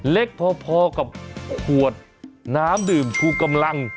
เล็กพอกับขวดน้ำดื่มชูกำลัง